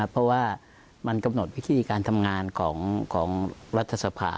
เพราะว่ามันกำหนดวิธีการทำงานของรัฐสภา